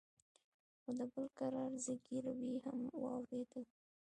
او د بل کرار زگيروي هم واورېدل.